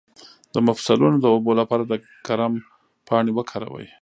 د مفصلونو د اوبو لپاره د کرم پاڼې وکاروئ